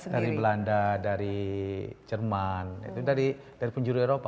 dari belanda dari jerman itu dari penjuru eropa